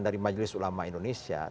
dari majelis ulama indonesia